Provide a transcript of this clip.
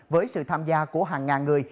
với sự tham gia của hàng ngàn người